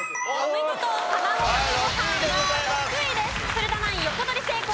古田ナイン横取り成功。